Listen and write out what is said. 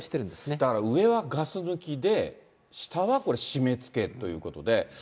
だから上はガス抜きで下は締めつけということで。